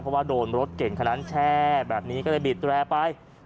เพราะว่าโดนรถเก่งคนนั้นแช่แบบนี้ก็เลยบีดแรร์ไป